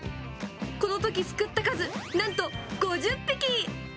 このとき、すくった数、なんと５０匹！